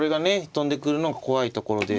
跳んでくるのが怖いところです。